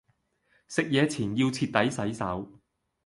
食野前要徹底洗手